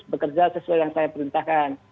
bekerja sesuai yang saya perintahkan